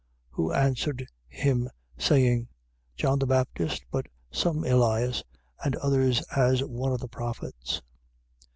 8:28. Who answered him, saying: John the Baptist; but some Elias, and others as one of the prophets.